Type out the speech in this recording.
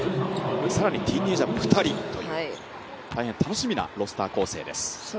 更にティーンエージャーも２人という大変楽しみなロースター構成です。